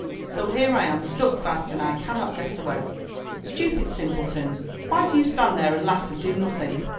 So here I am stuck fast and I cannot get away. Stupid simpletons, why do you stand there and laugh and do nothing?''